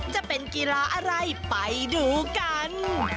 จะเป็นกีฬาอะไรไปดูกัน